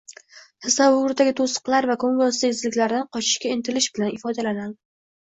tasavvuridagi to‘siqlar va ko‘ngilsizliklardan qochishga intilish bilan ifodalanadi.